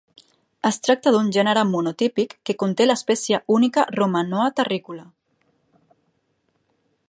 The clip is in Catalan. Es tracta d'un gènere monotípic que conté l'espècie única Romanoa terricola.